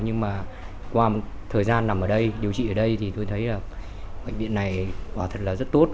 nhưng qua một thời gian nằm ở đây điều trị ở đây tôi thấy bệnh viện này rất tốt